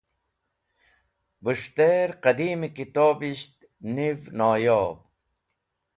Bus̃htẽr qẽdimẽ kitobisht niv noyob.